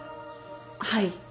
はい。